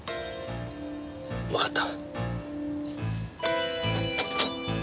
わかった。